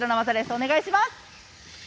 お願いします。